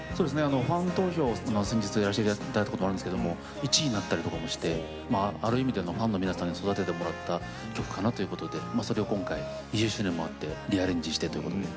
ファン投票を先日やらせて頂いたことがあるんですけども１位になったりとかもしてまあある意味でのファンの皆さんに育ててもらった曲かなということでそれを今回２０周年もあってリアレンジしてということで。